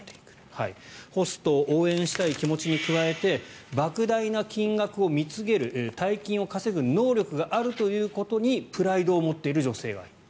ホストを応援したい気持ちに加えてばく大な金額を貢げる大金を稼ぐ能力があるということにプライドを持っている女性がいる。